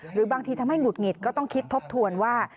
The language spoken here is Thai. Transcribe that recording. หรือบางทีทำให้หุดหงิดก็ต้องคิดทบทวนว่า